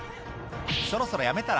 そろそろやめたら？